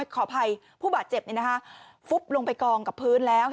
ขออภัยผู้บาดเจ็บฟุบลงไปกองกับพื้นแล้ว